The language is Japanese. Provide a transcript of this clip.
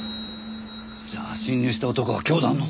じゃあ侵入した男は教団の？